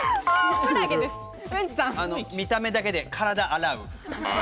見た目だけで体洗。